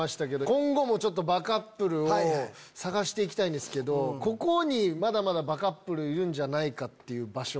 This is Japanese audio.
今後もバカップルを探して行きたいんですけどここにまだまだバカップルいるんじゃないかっていう場所。